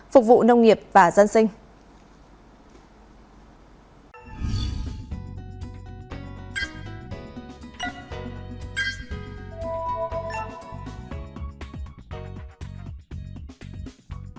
phục vụ nông nghiệp và dân sinh